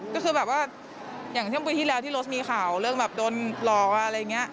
ก็คือแบบว่าอย่างเที่ยงปีที่แล้วที่รถมีข่าวเรื่องแบบโดนหลอกอะไรอย่างนี้